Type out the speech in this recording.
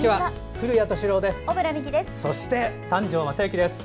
古谷敏郎です。